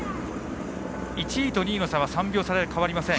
１位と２位の差は３秒差で変わりません。